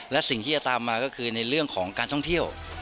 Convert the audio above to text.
และสิ่งที่จะตามมาก็คือในเรื่องของการท่องเที่ยว